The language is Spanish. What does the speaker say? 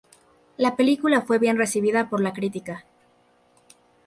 La película fue bien recibida por la crítica.